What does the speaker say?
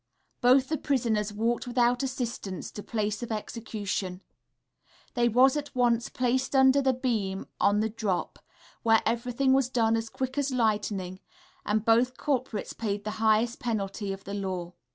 Both the prisoners walked without assistance to place of execution; they was at once placed under the beam on the drop, where everything was done as quick as lightning, and both culprits paid the highest penalty of the law....